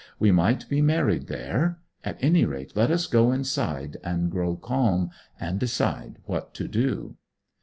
'We might be married there. At any rate, let us go inside, and grow calm, and decide what to do.'